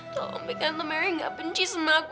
tolong bikin tante mary gak benci sama aku